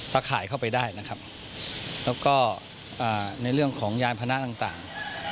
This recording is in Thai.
ถ้าขายเข้าไปได้นะครับแล้วก็ในเรื่องของยานพนะต่าง